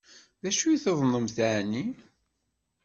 D acu i tuḍnemt ɛni?